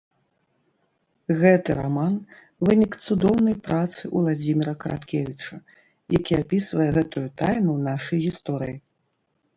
Гэты раман - вынік цудоўнай працы Уладзіміра Караткевіча, які апісвае гэтую тайну нашай гісторыі.